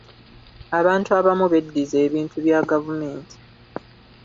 Abantu abamu beddiza ebintu bya gavumenti.